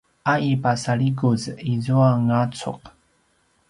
a i pasalikuz izua ngacuq